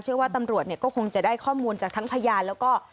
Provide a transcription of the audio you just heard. เชื่อว่าตำรวจเนี่ยก็คงจะได้ข้อมูลจากทั้งพยานแล้วก็